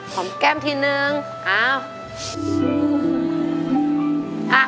หอมแก้มทีนึงอ้าว